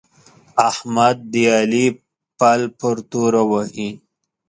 احمد د علي پل پر توره وهي.